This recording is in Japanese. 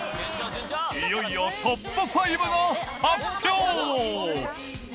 いよいよトップ５の発表。